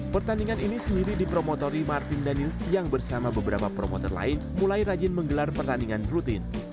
pertandingan ini sendiri dipromotori martin daniel yang bersama beberapa promotor lain mulai rajin menggelar pertandingan rutin